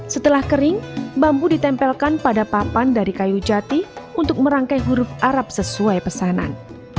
setelah kering bambu ditempelkan pada papan dari kayu jati untuk merangkai huruf arab sesuai pesanan